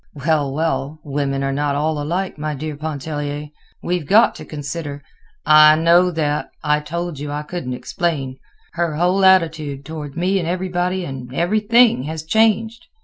"Well, well; women are not all alike, my dear Pontellier. We've got to consider—" "I know that; I told you I couldn't explain. Her whole attitude—toward me and everybody and everything—has changed.